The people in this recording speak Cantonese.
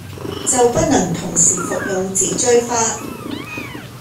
就不能同時服用紫錐花